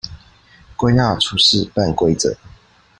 歸納出試辦規則